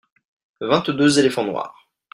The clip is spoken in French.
vingt deux éléphants noirs.